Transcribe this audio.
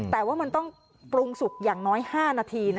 แต่ว่ามันต้องปรุงสุกอย่างน้อย๕นาที